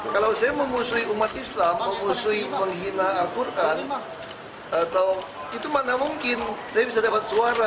kalau saya memusuhi umat islam memusuhi menghina al quran atau itu mana mungkin saya bisa dapat suara